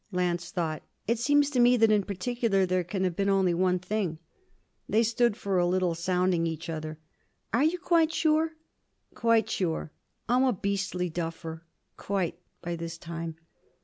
Lance thought. 'It seems to me that in particular there can have been only one thing.' They stood for a little sounding each other. 'Are you quite sure?' 'Quite sure I'm a beastly duffer? Quite by this time.'